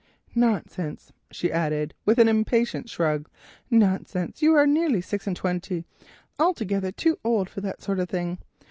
Nonsense," she added, with an impatient shrug, "nonsense, you are nearly six and twenty, altogether too old for that sort of thing.